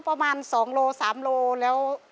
ก็ประมาณ๒โลกรัม๓โลกรัมแล้ว